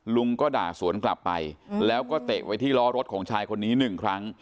ลุงก็ด่าสวนกลับไปแล้วก็เตะไว้ที่ล้อรถของชายคนนี้หนึ่งครั้ง